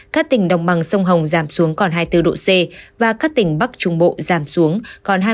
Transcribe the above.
các tỉnh đông bằng sông hồng giảm xuống còn hai mươi bốn độ c và các tỉnh bắc trung bộ giảm xuống còn hai mươi năm hai mươi bảy độ c